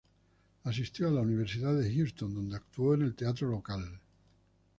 Asistió a la Universidad de Houston, donde actuó en el teatro local.